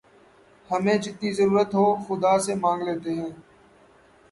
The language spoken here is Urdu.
ہمیں جتنی ضرورت ہو خدا سے مانگ لیتے ہیں